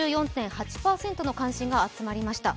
４４．８％の関心が集まりました。